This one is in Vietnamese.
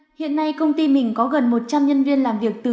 cô hiện nay công ty mình có gần một trăm linh nhân viên làm việc